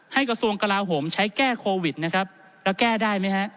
กระทรวงกลาโหมใช้แก้โควิดนะครับแล้วแก้ได้ไหมฮะ